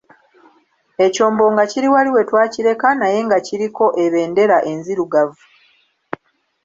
Ekyombo nga kiri wali we twakireka naye nga kiriko ebendera enzirugavu.